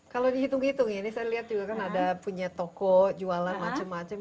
kalau dihitung hitung ini saya lihat juga kan ada punya toko jualan macam macam